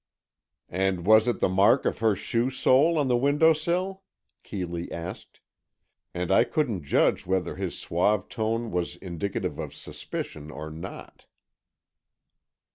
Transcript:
"And was it the mark of her shoe sole on the window sill?" Keeley asked, and I couldn't judge whether his suave tone was indicative of suspicion or not.